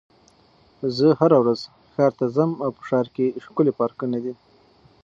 زه هره ورځ ښار ته ځم او په ښار کې ښکلي پارکونه دي.